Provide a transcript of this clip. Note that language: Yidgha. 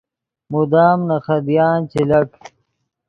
مدام نے خدیان چے لک